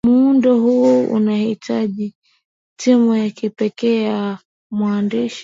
muundo huu unatahitaji timu ya kipekee ya waandishi